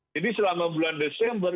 jadi selama bulan desember